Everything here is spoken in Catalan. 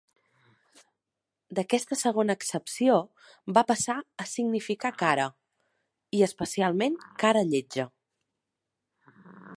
D'aquesta segona accepció va passar a significar cara i, especialment, cara lletja.